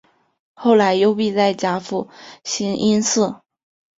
后来幽闭在甲府兴因寺。